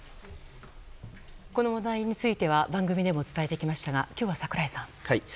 この問題については番組でも伝えてきましたが今日は櫻井さん。